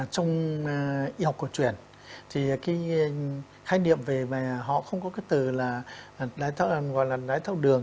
trong y học cổ truyền thì cái khái niệm về họ không có cái từ là đáy thâu đường